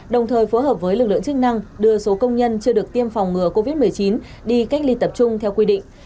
đồng thời phối hợp với lực lượng chức năng đưa số công nhân chưa được tiêm phòng ngừa covid một mươi chín đi cách ly tập trung theo quy định